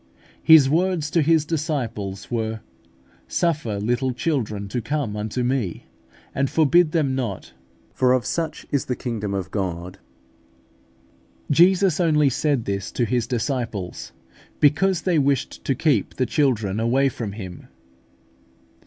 His words to His disciples were, "Suffer little children to come unto me, and forbid them not; for of such is the kingdom of God" (Luke xviii. 16). Jesus only said this to His disciples, because they wished to keep the children away from Him.